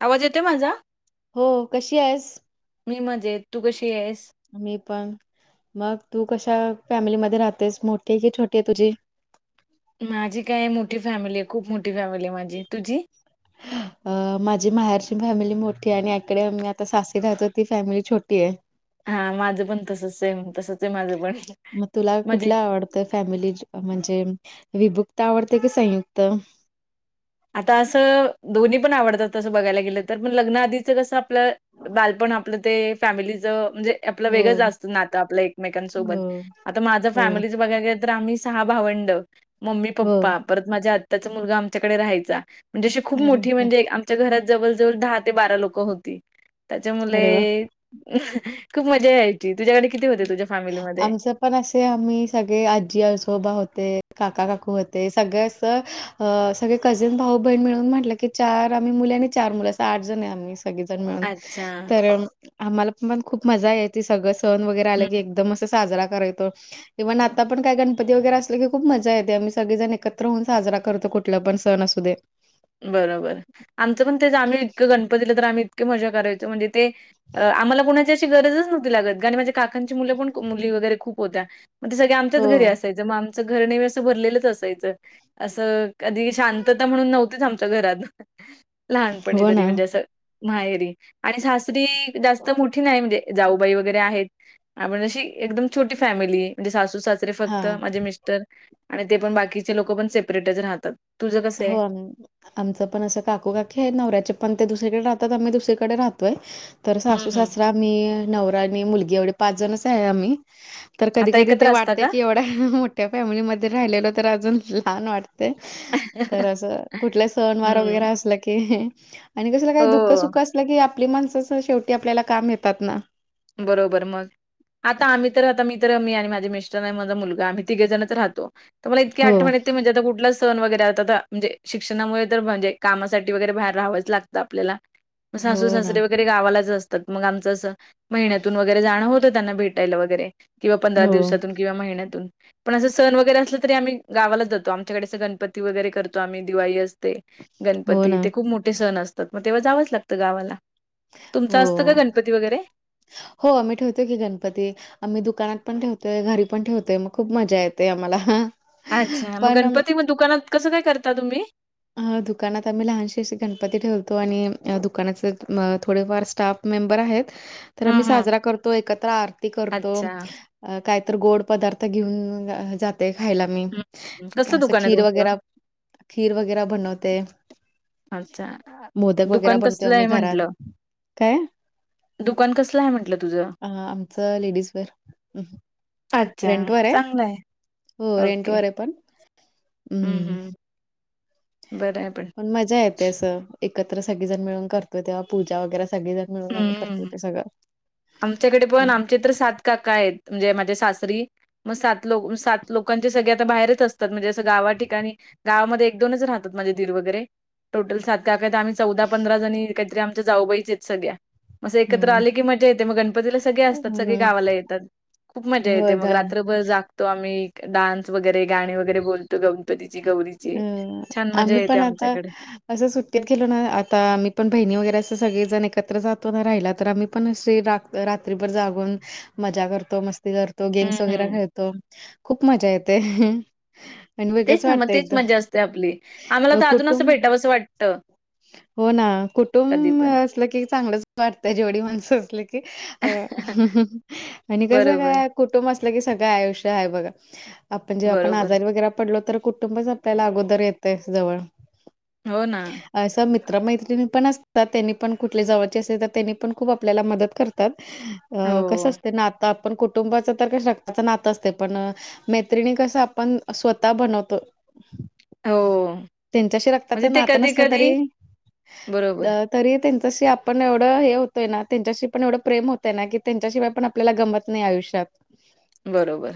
आवाज येतोय माझा? हो कशी आहेस? मी मजेत तू कशी आहेस? मी पण मग तू कशा फॅमिलीमध्ये राहतेस मोठी की छोटी आहे तुझी? माझी काय मोठी फॅमिली आहे खूप मोठी फॅमिली आहे माझी. तुझी? अ माझी माहेरची फॅमिली मोठी आहे. आणि इकडे मी आता सासी राहतो ती फॅमिली छोटी आहे. हा माझं पण तसच सेम आहे तसंच आहे माझं पण म्हणजे त फॅमिली म्हणजे विभुक्त आवडते की संयुक्त? आता असं दोन्ही पण आवडतात तसं बघायला गेलं तर पण लग्न आधीचं कसं आपलं बालपण आपलं ते फॅमिलीच म्हणजे आप हो वेगंच असतं नातं आ आपल एकमेकांसोबत हो आता माझ्या हो फॅमिलीच बघाय तर आम्ही सहा भावंड मम्मी हो पप्पा परत माझ्या आत्ताचा मुलगा आमच्याकडे राहायचा म्हणजे अशी खूप अरे मोठी वा, म्हणजे आमच्या घरात जवळ जवळ दहा ते बारा लोक होती. त्याच्यामुळे अरे वा! लय खूप मजा यायची तुझ्याकडे किती होते? तुझ्या फॅमिलीमध्ये? आमचं पण असे आम्ही सगळे आजी आजोबा होते काका काकू होते सगळे अस अ सगळे कझन भाऊ बहीण मिळून म्हटलं की चार आम्ही मुले आणि चार मुलं असं आठ जण आहे आम्ही सगजण मिळून अच्छा. तर आम्हाला पण खूप मजा य ती सगळं सण वगैरे आलं की एकदमच. साजरा करायतो. इव्हन आता काय गणपती वगैर असले की खूप मजा येते आम्ही सगळे जण एकत्र होऊन साजरा करतो कुठ कुठला पण सण असू दे. बरोबर आमचं पण तेच आम्ही इतकं गणपतीला तर आम्ही इतककी मज करायचो म्हणजे ते आम्हाला कोणा शी गरजच नव्हती लागत ग आणि माझ्या काकांची मुलं पण मुली वगैरे खूप होत्या मग ते सगळे आमच्याच घरी हो. असाय मग आमचं घर नेहमी असं भरलेलंच असायचं असं कधी शांतता म्हणून नव्ह तीच आमच्या घरात लहानपणी हो तरी ना म्हणजे असं माहेरी आणि सासरी जास्त मोठी नाही म्हणजे जाऊबाई वगैरे आहेत आ पण अशी एकदम छोटी फॅमिली म्हणजे सासू सास तरी हा फक्त माझे मिस्टर आणि ते पण बाकीचे लोक पण सेपरेटच राहतात. तुझं कसं आहे? हो. आमचं पण असं काकू काकी आहे नवऱ्याचे पण ते दुसरीकडे राहतात आम्ही दुसरीकडे राहतोय. तर हं, सासू हं. सासरा मी नवरा आणि मुलगी एवढ पाच जणच आहे आम्ही. तर कधी आता कधी एकत्र ते असता वाटते का? की एवढ्या मोठ्या फॅमिलीमध्ये राहिलेलो तर अजून लहान वाटते. तर असं कुठले सण वार वगैरे हं. असलं की आणि कसं काय दुःख हो, सुख असलं की आपली माणसं शेवटी आपल्याला काम येतात ना. बरोबर मग. आता आम्ही तर राहता मी तर मी आणि माझे मिस्टर नाही माझा मुलगा आम्ही तिघेजणच राहतो. तर मला इतके हो, आठवणत ते म्हजे आता कुठला सण वगैरे आता तर म्हणजे शिक्षणामुळे तर म्हणजे कामासाठी वगैरे बाहेर राहावच लागतं आपल्याला. ग सासू हो ना. सासरे वगैरे गावालाच असतात मग आमच असं महिन्यातून वगैरे जाणं होत. त्यांना भेटायला वगैरे किंवा पंधरा हो, दिवसातून किंवा महिन्यातून. पण असं सण वगैरे असलं तरी आम्ही गावालाच जातो आमच्याकडे असं गणपती वगैरे करतो आम्ही दिवाळी असते. हो गणपती ना. ते खूप मोठे सण असतात मग तेव्हा जावंच लागतं गावाला. हो, तुमचं असतं का गणपती वगैरे. हो. मी ठेवतो की गणपती आम्ही दुकानात पण ठेवतोय, घरी पण ठेवतोय, मग खूप मजा येते आम्हाला. अच्छा! मग पण गणपती मग दुकानात कसं काय करता तुम्ही? अ दुकानात आम्ही लहानशी अशी गणपती ठेवतो. आणि दुकानाचे थोडेफार स्टाफ मेंबर आहेत. तर हं, मी हं. साजरा करतो एकत्र आरती करतो. अच्छा. अ काहीत गोड पदार्थ घेऊन जात खायला मी हं. हं. कसलं असं दुकान आहे खीर वगैरे तुमचं? खीर वगैरे बनवते. अच्छा. मोदक वगैरे दुकान बनतोय कसलं आम्ही आहे घरात. म्हटलं? काय? दुकान कसलं आहे म्हटलं तुझं? अ आमचं लेडीज वेअर. अच्छा! रेंटवर आहे. चांगलंय. हो रेंट वर आहे. पण हं, हम्म. हं. बरं आहे. पण पण मज्जा येते. असं एकत्र सगळीजण मिळून करतो तेव्हा पूजा वगैरे सगळेजण हम्म. आमच्याकडे पण चित्र सात काका आहेत म्हणजे माझ्या सासरी मग सात लोक सात लोकांचे सगळे आता बाहेरच असतात, म्हणजे असं गावा ठिकाणी गावामध्ये एक दोनच राहतात, म्हणजे दीर वगैरे टोटल सात का काय तर आम्ही चौदा पंधरा जणी काहीतरी आमच्या जाऊबायच आहेत सगळ्या. मग एकत्र हम्म आले की मजा येते. मग गणपतीला सगळे असतात हो सगळे ना गावाला येतात. खूप मजा येते. होय मग काय रात्रभर जागतो आम्ही. डान्स वगैरे गाणी वगैरे बोलतो गणपतीची गौरीची अ छान मजा आम्ही येते पण आता आमच्याकडे. असं सुट्टीत गेलो ना आता आम्ही पण बहिणी वगैरे असं सगळेजण एकत्र जातो ना राहिला तर आम्ही पण असे रात्रीभर जागून मजा करतो. मस्त करतो. हं, गेम्स वगैरे हं. खेळतो. खूप मजा येते. आणि वेगळंच वाट तीच मजा असते आपली. आम्हाला तर अजून असं कुटुंब भेटावं असं वाटतं. हो ना. कधी कुटुंब पण. असलं की चांगलंच वाटतं जेवढी माणसं असली की. अ आणि कसं बरोबर, काय कुटुंब असलं की सगळं आयुष्य आहे बघा. आपण जे आपण बरोबर. आजारी वगैरे पडलो तर कुटुंबच आपल्याला अगोदर येत आहे जवळ. हो ना. असं मित्रमैत्रिणी पण असतात त्यांनी पण कुठल्या जवळचे असेल तर त्यांनी पण खूप आपल्याला मदत करत तात हो, का असते ना आपण कुटुंबाच तर रक्ताचं नात असते पण मैत्रिणी कस आपण स्वतः बनव तर हो. त्यांच्याशी म्हणजे रक्ताचं ते नातं नसलं कधी-कधी तरी बरोबर, अ तरी त्यांच्याशी आपण एवढं हे होतोय ना त्यांच्याशी पण एवढं प्रेम होतय ना की त्यांच्याशिवाय पण आपल्याला गमत नाही आयुष्यात. बरोबर.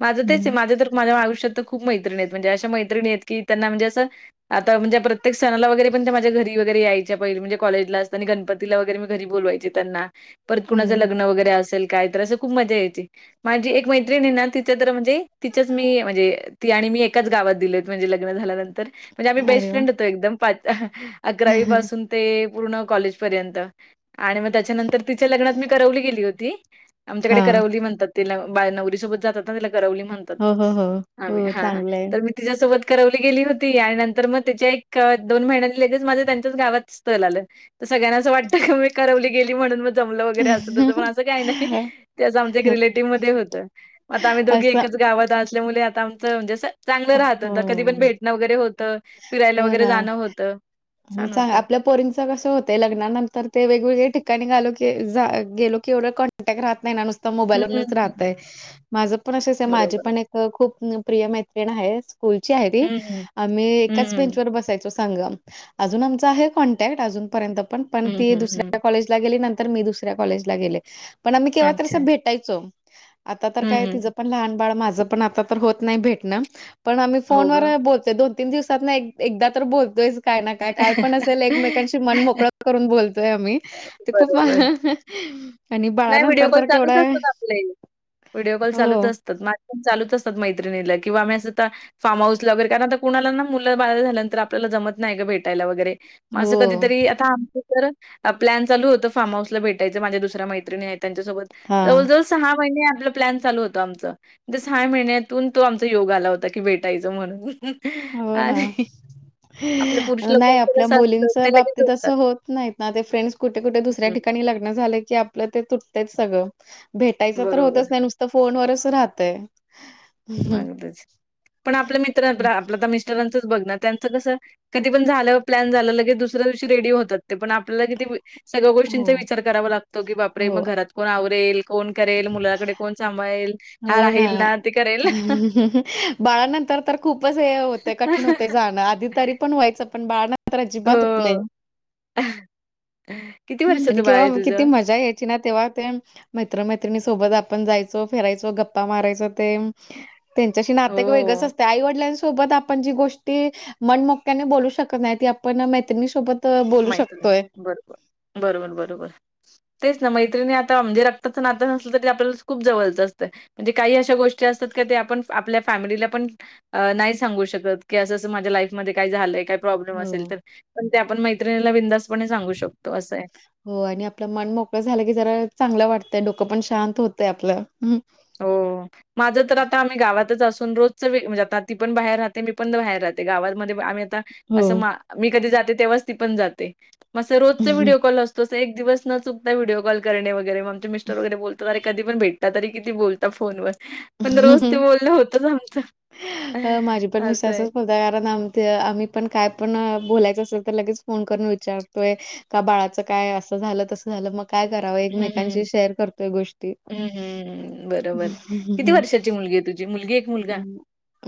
माझं तेच हम्म. आहे. माझं तर माझ्या आयुष्यात खूप मैत्रिणी आहेत म्हणजे अशा मैत्रिणी कि त्यांना म्हणजे असं आता म्हणजे ते सणाला वगैरे पण त्या माझा घरी वगैरे यायची म्हणजे कॉलेला असताना गणपतीला वगैरे मी घरी बोलवायचे त्यांना. परत कुणाचं हो. लग्न वगैरे असेल काय तर असं खूप मजा येते. माझी एक मैत्रिणी आहे ना तिच तर म्हणजे तिचच मी म्हणजे ती आणि मी एकाच गावात दिल म्हणजे लग्न झाल्यानंतर. म्हणजे आम्ही बेस्ट अरे वाह! फ्रेंड होतो एकदम. पाच अकरावी पासून ते पूर्ण कॉलेज पर्यंत. आणि मग त्याच्यानंतर तिच्या लग्नात मी करवली गेली होती आमच्याकडे हां. करवली म्हण तिला बाय नवरी सोबत जातात ना त्याला करवली म्हणतात हो, हो, हो. आम्ही हो हा चांगलं आहे. तर मी तिच्यासोबत करवली गेली होती आणि नंतर मग त्याच्या एक दोन महिन्यानी लगेच माझं त्यांच्याच गावात स्थल आलं तर सगळ्यांना असं वाटतं क मी करवली गेली म्हणून मग जमलं वगैरे अस तस तर पण असं काही नाही. त्याच आमच्या एक रिलेटिव्ह मध्ये होतं आता आम्ही दोघी असं एकच गावात असल्यामुळे आता आमचं म्हणजे अस चांगलं राहत होत कधी पण हो. भेटणं वगैरे होतं फिरायला हो वगैरे ना. जाणं होतं छान होतं. आता कस होते लग्नानंतर ते वेगवेगळे ठिकाणी गालो की गेलो की एवढं कॉन्टॅक्ट राहत नाही ना नुसत ता हं, हं, मोबाईलवरूनच हं. राहतय माझं पण असेच आहे माझी बरोबर. पण एक खूप प्रिय मैत्रिण आहेच स्कुलची आहे ती हं, हं. आम्ही हं, एकाच हं. बेंचवर बसायचो. संगत अजून आमचा आहे कॉन्टॅक्ट अजूनपर्यंत पण पण हं, ती हं, हं. दुसऱ्या कॉलेजला गेली नंतर मी दुसऱ्या कॉलेजला गेले पण आम्ही केव्हा अस अच्छा. भेट भेटायचो आता तर हं, काय हं. तिच पण लहान बाळ माझं पण आता तर होत नाही भेटण पण आम्ही हो फोनवर का? बोलतोय दोन तीन दिवसात ना एकदा तर बोलतोयच काय ना काय काय पण असेल एकमेकांशी ते मन मोकळा करून बोलतोय आम्ही ते खूप बरोबर. नाही व्हिडिओ बाळानंतर कॉल तर चालूच केवढा असतात आपले व्हिडिओ कॉल हो चालूच असतात ना पण चालूच असतात मैत्रिणीला किंवा आम्ही असं आता फार्म हाऊस वगैरे कारण आता कोणाला ना मुलं बाहेरला झाल्यांत आपल्याला जमत नाहीय ग भेटायला वगैरे. असं हो कधीतरी आता आमच तर प्लॅन चालू होता फार्म हाऊसला भेटायचं माझ्या दुसऱ्या मै मैत्रीणी आहेत त्यांच्यासोबत हा जवळ जवळ सहा महिने आपलं प्लॅन चालू होतं आमचा सहा महिन्यातून तो आमचा योग आला होता की भेटायच म्हणून हो ना आणि आपल्या पुरुष नाही लोकांचं आपल्या कसं असतं मुलींच्या ते लगेच बाबतीत होतात. असं होत नाहीत ना ते फ्रेंड्स कुठे कुठे दुसऱ्या हं, ठिकाणी लग्न झालं की आत आपलं ते तुटत सगळं भेटायचं तर होतच बरोबर. नाही नुसतं फोनवरच राहतय अगदीच पण आपल्या मित्र आपलं तर मिस्टरांचंच बघणार त्यांचं कसं कधी पण झालं प्लॅन झालं लगेच दुसऱ्या दिवशी रेडी होतात ते पण आप आपल्याला किती सगळ्या हो गोष्टींचा विचार करावा लागतो की बापरे हो मग घरात कोण आवरेल कोण करेल मुलाकडे कोण सांभाळेल हा राहील ना ते करेल. बाळानंतर तर खूपच हे होते कठीण होतय जाण आधी तरी पण व्हायचं पण बाळा नंतर तर अजिबातच होतं नाही. आ ह---हा. आणि किंवा किती मजा यायची ना तेव्हा ते मैत्रमैत्रिणी सोबत आपण जायचो फिरायचो गप्पा मारायचो ते त्यांच्याशी नात एक वेगळंच हो असते आई वडिलांसोबत आपण जी गोष्ट ती मनमोकळ्याने बोलू शकत नाही ती आपण मैत्रिणी सोबत बोलू माहित शकतोय. बरोबर. बरोबर बरोबर तेच ना मैत्रिणी आता म्हणजे रक्ताचं नातं नसलं तरी आपल्या खूप जवळचं असतं म्हणजे काही अशा गोष्टी असतात का ते आपण आपल्या फॅमिलीला पण अ नाही सांगू शकत की असंं अस माझ्या लाईफमध्ये काय झालंय का प्रॉब्लेम असेल हो. तर पण ते आपण मैत्रिणीला बिंदासपणे सांगू शकतो असंय. हो आणि आपलं मन मोकळ झालं की जरा चांगलं वाटतंय डोकं पण शांत होतंय आपलं हमम हो. [inaudible] माझं तर आता आम्ही गावातच असून रोजच आता ती पण बाहेर राहते मी पण बाहेर राहते गावातमध्ये आम्ही आता अस हो. मी कधी जाते तेव्हा ती पण जाते म अस रोज व्हिडिओ कॉल असता तसं एक दिवस न चुकता व्हिडीओ कॉल करणे वगैर म आमचे मिस्टर वगैरे बोलतात अर कधी पण भेटतात तरी किती बोलता फोन वर पण रोज ते बोलणं होतच राहतं असय उ [unintelligible] कारण आम आम्ही पण काय पण बोलायचं असेल तर लगेच फोन करून विचारतोय. का बाळाच काय असं झालं तसं झालं मग काय करावं हं, हं. एकमेकांशी शेअर करतोय गोष्टी. हं, हं. बरोबर. किती हं. वर्षाची मुलगी आहे तुझी मुलगी. मुलगा?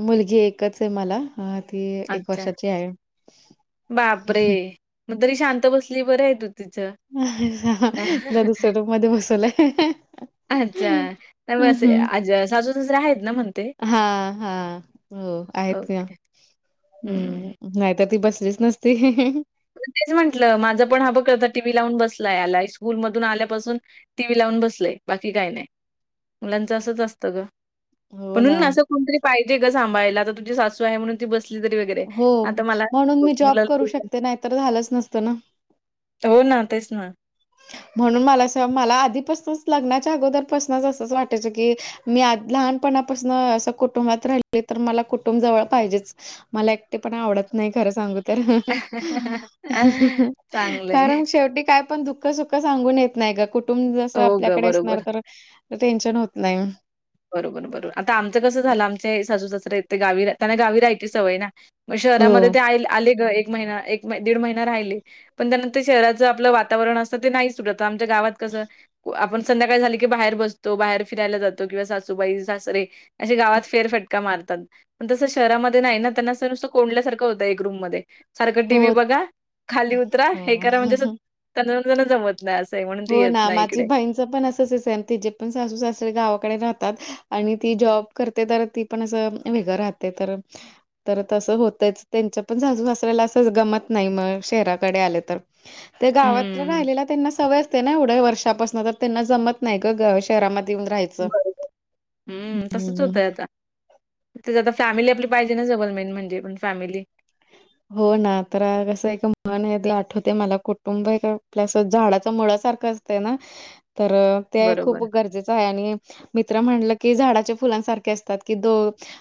मुलगी एकचय मला हा ती एक अच्छा. वर्षाची आहे. बापरे! मग तरी शांत बसली बरं आहे तू तिचं अ [unintelligible] तिला दुसऱ्या रूम मध्ये बसवलय अच्छा बस [unintelligible] सासू सासरे आहेत ना म्हणते हा हा. हो आहेत काि ओके. [unintelligible] हं. हम्म नाहीतर ती बसलीच नसती. तेच म्हंटलं माझं पण ह बं करता [unintelligible] टीव्ही लावून बसलाय याला स्कूल मधून आल्यापासून टी व्ही लावून बसलय बाकी काही नाही मुलांचं असंच असतं ग हो ना. म्हणून असं कोणतरी पाहिजे ग सांभाळयला आता तुझी सासू आहे म्हणून बसली तरी वगरे हो आता मला मुला तर झालंच नसतं ना. हो ना तेच ना. म्हणून मला अस मला आधीपासूनच लग्नाच्या अगोदरपासूनच असंच वाटायचं की मी आज [unintelligible] लहानपणापासून असं कुटुंबात राहिले तर मला कुटुंब जवळ पाहिजेच. मला एकटे पणा आवडत नाही खरं सांगू तर चांगलंय. कारण शेवटी काय पण दु सुख सुख सांगून येत नाही का कुटुंब जसं हो गं, आपल्याकडे बरोबर. असणार तर टेन्शन होत नाही. बरोबर बरोबर आता आमचं कसं झालं आमच्या सासू सासराेथे गावी त्यांना गावी राहायची सवय ना मग हो. शहरामध्ये ते आले ग एक महिना एक दीड महिना राहिले. पण त्यानंतर शहराचं आपलं वातावरण असतं ते नाही सुतट आमच्या गावात कसं आपण संध्याकाळ झाली की बाहेर बसतो बाहेर फिरायला जा किंवा सासूबाई सासरे असे गावात फेरफटका मारतात. पण तसं शहरामध्ये नाही ना त्यांना असं नुसत कोंडल्यासारखं होतं एक रूम मध्ये सारखं टी हो व्ही बघा खाली उतरा हे करा म्हणजे हो. तज जमत नाही असंय म्हणून ती येत नाय इकडे. ण अस तिे पण सासू सासरे गावाकडे राहतात आणि ती जॉब करते तर ती पण असं वेगळं राहतय तरण [unintelligible] तर तसं होतंच त्यांच्या पण झाजू मसरायला असं गमत नाही मग शहराकडे आले तर ते गावात हं, राहिलेला त्यांना सवय एवढे वर्षापासून तर त्यांना जमत नाही शहरा येऊन राहायच. बरोबर हम्म तसच होतंय आता. ते आता फॅमिली आपली पाहिजे ना सबल मेन म्हणजे पण फॅमिली हो ना तर कसं एक मन आठवते मला कुटुंब आहे आपल्यासं झाडाच मुळा सारखं ना तर ते खूप बरोबर. गरजेचं आहे आणि मित्र म्हटलं की झाडाच्या फुलांसारखे असतात की दो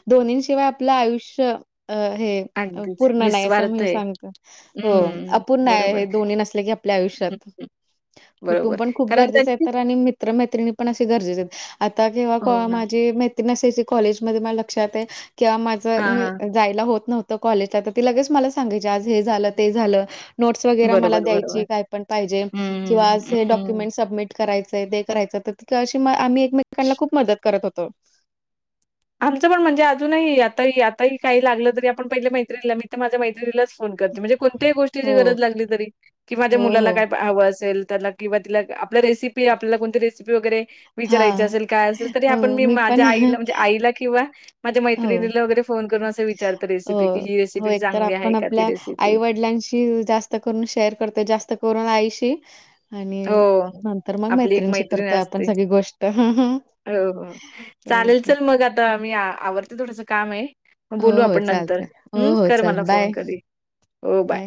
दोनिन शिवाय आपलं आयुष्य अ हे अगदीच पूर्ण नाही असं निस्वार्थ मी आहे. सांगत हो हं, अपूर्ण आहे बरोबर. हे दोन्ही नसले की आपल्या हं, आयुष्यात हं. कुटुंब बरोबर. पण खूप कारण गरजेचं आहे त्यांची तर आणि मित मित्र मैत्रिणी पण असे गरजेचे आता हो किंवा ना. माझी मय नसेची कॉलेज मध्ये मला लक्षात आहे किंवा माझ हां, मी हां. जायला होत नव्हत कॉलेजला. ती लगेच मला सांगायची आज हे झालं ते झालं. नोट्स वगैरे मला बरोबर, द्यायची बरोबर. काय पण पाहिजे हं, किंवा हे हं, हं. Document submit. करायचंय दे करायचं तर त अशी आम्ही एकमेकांना खूप मदत करत होतो. आमचं पण म्हणजे अजूनही आता आताही काही लागलं तरी आपण पहिले मैत्रिला मी तर माझ्या मैत्रीलाच. ण कोणत्या गोष्टी हो, गरज लाली तरी माझ्या हो, मुला हो. काय. हवं असेल त्या किंवा ति आपल्या रेसि. आपला कोणती रेसिपी वगैरे विचारयची हां. असेल काय असेल तर हो, आपण मी पण माझ्या हो, आईला. किवा माझ्या मैत्रिणीला वगैरे फोन करून असच. विचारत रेसिपी की हो. ही रेसिपी चांगली आहे का ती रेसिपी. मुलाशी जास्त करून शेअर करते जास्त करून आईशी. आणि हो. नंतर मग आपली एक मैत्रिणीशी मैत्रीण करतोय आपण असते. सगळी गोष्ट. हो हो चालेल चल मग आता मी आवडते थोडंसं काम आहे. बोलू हो, हो, आपण नंतर चालतंय. हो, हो, कर मला चल फोन बाय, कधी हो बाय.